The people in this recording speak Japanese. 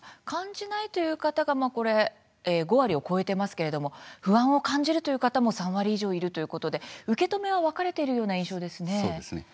感じないという方が５割を超えていますけれども不安を感じるという方も３割以上いるということで、受け止めは分かれているような印象ですね。